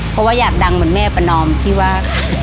เพราะว่าอยากดังเหมือนแม่ประนอมที่ว่า